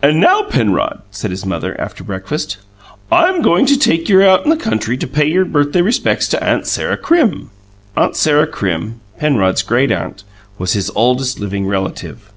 "And now, Penrod," said his mother, after breakfast, "I'm going to take you out in the country to pay your birthday respects to Aunt Sarah Crim." Aunt Sarah Crim, Penrod's great aunt, was his oldest living relative.